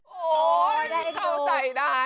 โอ้โหค้าวใจได้